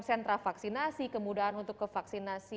sentra vaksinasi kemudahan untuk kevaksinasi